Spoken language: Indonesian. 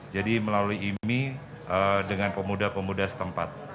jadi melalui imi dengan pemuda pemuda setempat